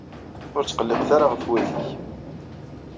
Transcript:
Ur tqelliqet ara ɣef watig!